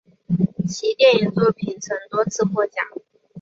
其电影作品曾多次获奖。